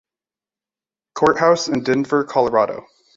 Courthouse in Denver, Colorado.